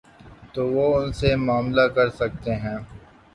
تو وہ ان سے معاملہ کر سکتے ہیں۔